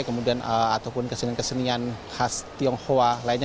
kemudian ataupun kesenian kesenian khas tionghoa lainnya